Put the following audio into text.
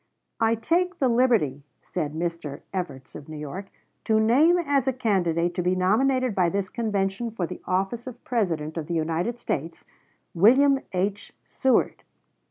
"I take the liberty," said Mr. Evarts, of New York, "to name as a candidate to be nominated by this convention for the office of President of the United States, "William H. Seward."